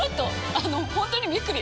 あの本当にびっくり！